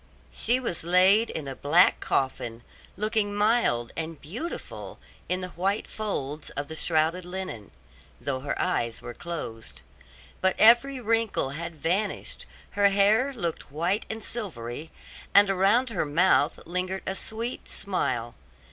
She was laid in a black coffin, looking mild and beautiful in the white folds of the shrouded linen, though her eyes were closed; but every wrinkle had vanished, her hair looked white and silvery, and around her mouth lingered a sweet smile.